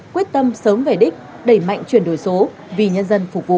quyết tâm sớm về đích đẩy mạnh chuyển đổi số vì nhân dân phục vụ